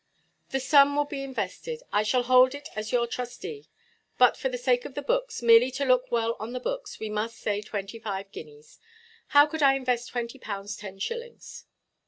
The sum will be invested. I shall hold it as your trustee. But, for the sake of the books, merely to look well on the books, we must say twenty guineas. How could I invest twenty pounds ten shillings?"